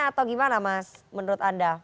atau gimana mas menurut anda